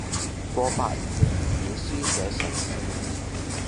過百年嘅粵語書寫嘗試